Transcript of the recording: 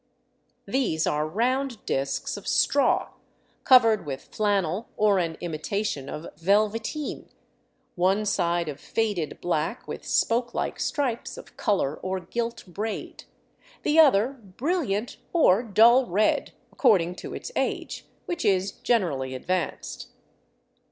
These are round disks of straw, covered with flannel or an imitation of velveteen, one side of faded black with spoke like stripes of color or gilt braid, the other brilliant or dull red, according to its age, which is generally advanced.